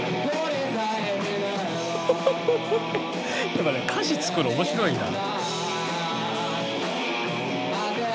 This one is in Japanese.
やっぱね歌詞付くの面白いな。